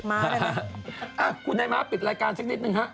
มาพ่อมาปิดรายการอีกนิดนึง